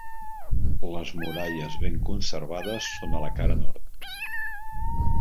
Les muralles ben conservades són a la cara nord.